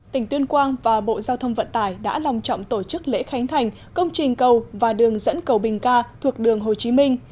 tỉnh tuyên quang và bộ giao thông vận tải đã lòng trọng tổ chức lễ khánh thành công trình cầu và đường dẫn cầu bình ca thuộc đường hồ chí minh